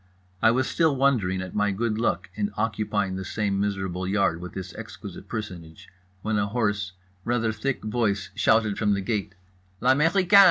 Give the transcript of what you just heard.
I was still wondering at my good luck in occupying the same miserable yard with this exquisite personage when a hoarse, rather thick voice shouted from the gate: "_L'américain!